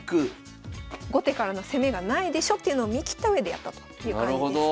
後手からの攻めがないでしょっていうのを見切ったうえでやったという感じです。